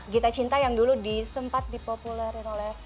gita cinta yang dulu disempat dipopulerin oleh